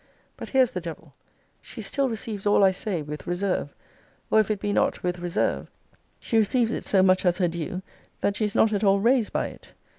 But here's the devil; she still receives all I say with reserve; or if it be not with reserve, she receives it so much as her due, that she is not at all raised by it.